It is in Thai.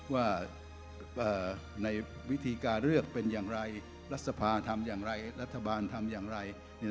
ว่าในวิธีการเลือกเป็นอย่างไรรัฐสภาทำอย่างไรรัฐบาลทำอย่างไร